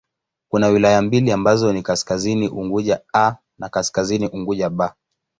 Kuna wilaya mbili ambazo ni Kaskazini Unguja 'A' na Kaskazini Unguja 'B'.